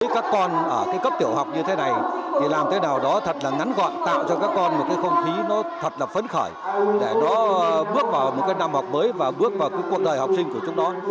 các con ở cấp tiểu học như thế này thì làm thế nào đó thật là ngắn gọn tạo cho các con một cái không khí nó thật là phấn khởi để nó bước vào một năm học mới và bước vào cuộc đời học sinh của chúng đó